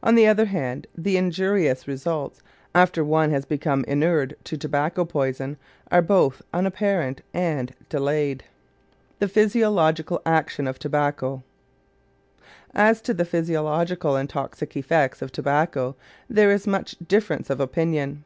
On the other hand, the injurious results, after one has become inured to tobacco poison, are both unapparent and delayed. THE PHYSIOLOGICAL ACTION OF TOBACCO As to the physiological and toxic effects of tobacco there is much difference of opinion.